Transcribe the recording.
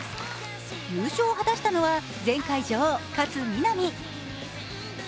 優勝を果たしたのは前回女王・勝みなみ。